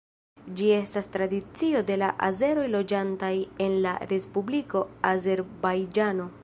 Ĝi estas tradicio de la azeroj loĝantaj en la Respubliko Azerbajĝano.